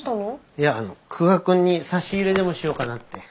いやあの久我君に差し入れでもしようかなって。